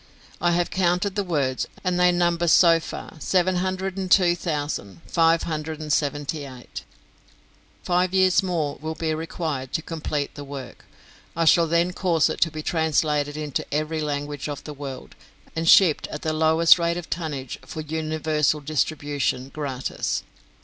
I have counted the words, and they number so far seven hundred and two thousand five hundred and seventy eight (702,578). Five years more will be required to complete the work; I shall then cause it to be translated into every language of the world, and shipped at the lowest rate of tonnage for universal distribution gratis.